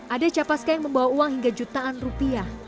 ada capaska yang membawa uang hingga jutaan rupiah